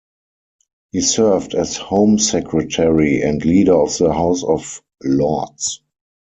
He served as Home Secretary and Leader of the House of Lords.